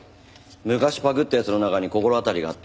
昔パクった奴の中に心当たりがあって。